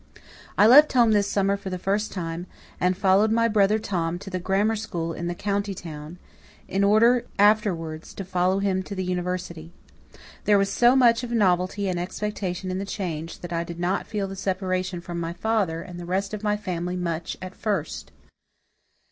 I left home this summer for the first time, and followed my brother Tom to the grammar school in the county town, in order afterwards to follow him to the University. There was so much of novelty and expectation in the change, that I did not feel the separation from my father and the rest of my family much at first.